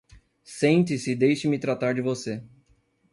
Sente-se e deixe-me tratar de você.